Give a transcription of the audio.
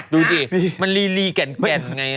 ดูดิมันลีแก่นไง